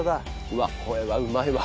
うわっこれはうまいわ。